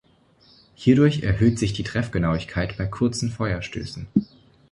Hierdurch erhöht sich die Treffgenauigkeit bei kurzen Feuerstößen.